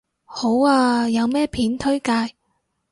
好啊，有咩片推介